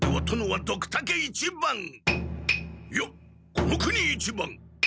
この国一番！